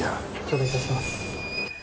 頂戴いたします。